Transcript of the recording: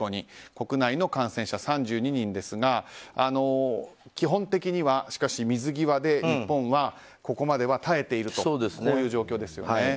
国内の感染者３２人ですが基本的にはしかし、水際で日本はここまでは耐えているという状況ですよね。